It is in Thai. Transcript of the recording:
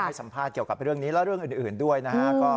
ให้สัมภาษณ์เกี่ยวกับเรื่องนี้และเรื่องอื่นด้วยนะฮะ